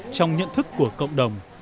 trong nhận thức của cộng đồng